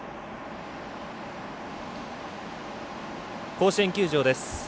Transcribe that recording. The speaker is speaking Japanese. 甲子園球場です。